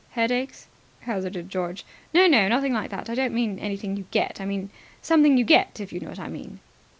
"Headaches?" hazarded George. "No, no. Nothing like that. I don't mean anything you get I mean something you get, if you know what I mean."